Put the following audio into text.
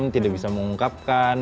tidak bisa mengungkapkan